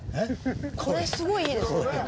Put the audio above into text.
これ、すごいいいですね。